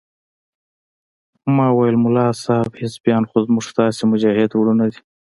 ما وويل ملا صاحب حزبيان خو زموږ ستاسې مجاهد ورونه دي.